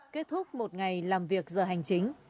kết thúc một ngày làm việc giờ hành chính